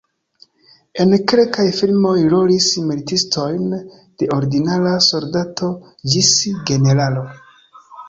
En kelkaj filmoj li rolis militistojn de ordinara soldato ĝis generalo.